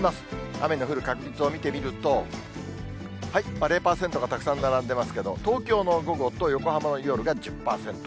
雨の降る確率を見てみると、０％がたくさん並んでますけれども、東京の午後と横浜の夜が１０％。